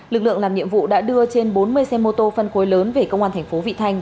lực lượng làm nhiệm vụ đã đưa trên bốn mươi xe mô tô phân khối lớn về công an thành phố vị thanh